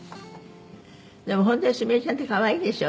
「でも本当にすみれちゃんって可愛いでしょ？